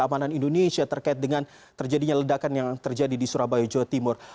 dan indonesia terkait dengan terjadinya ledakan yang terjadi di surabaya jawa timur